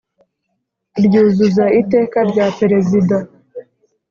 Ryuzuza iteka rya perezida